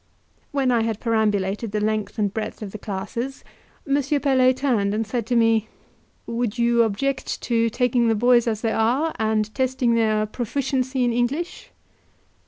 When I had perambulated the length and breadth of the classes, M. Pelet turned and said to me "Would you object to taking the boys as they are, and testing their proficiency in English?"